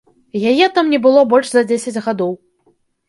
Яе там не было больш за дзесяць гадоў.